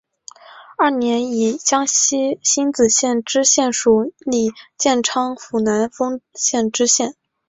二年以江西星子县知县署理建昌府南丰县知县。